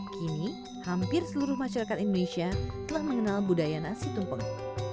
kini hampir seluruh masyarakat indonesia telah mengenal budaya nasi tumpeng